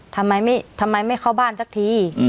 ทำไมไม่เข้าบ้านสักที